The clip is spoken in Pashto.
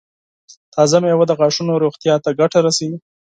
تازه مېوه د غاښونو روغتیا ته ګټه رسوي.